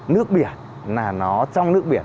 nước biển là nó trong nước biển